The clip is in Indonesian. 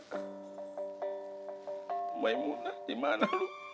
pemain mona di mana lu